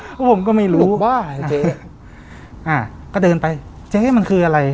เพราะผมก็ไม่รู้บ้าอะไรเจ๊อ่าก็เดินไปเจ๊มันคืออะไร